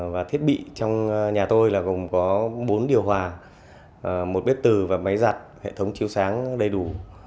và thiết bị trong nhà tôi là gồm có bốn điều hòa một bếp tử và máy giặt hệ thống chiếu sáng đầy đủ